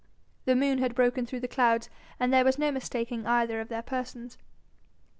The moon had broken through the clouds, and there was no mistaking either of their persons.